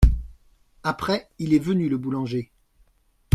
Après, il est venu le boulanger.